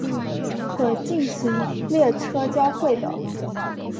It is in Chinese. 可进行列车交会的。